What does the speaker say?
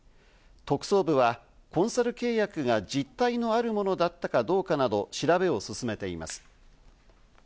特捜部はコンサル契約が実態のあるものだったかどうかなど、調べを進めています。